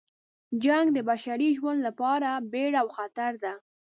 جنګ د بشري ژوند لپاره بیړه او خطر ده.